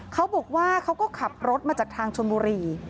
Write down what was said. เขาบอกว่าเขาก็ขับรถมาจากทางชนบุรี